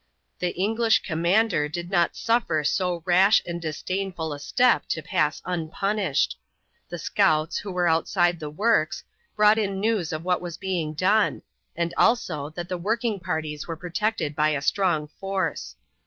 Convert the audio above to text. The English commander did not suffer so rash and disdainful a step to pass unpunished. The scouts, who were outside the works, brought in news of what was being done, and also that the working parties were protected by a strong force.